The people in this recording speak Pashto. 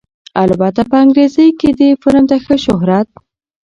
البته په انګرېزۍ کښې دې فلم ښۀ شهرت